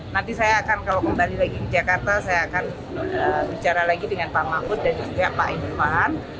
nanti saya akan kalau kembali lagi ke jakarta saya akan bicara lagi dengan pak mahfud dan juga pak idirman